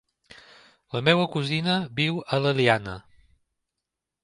La meva cosina viu a l'Eliana.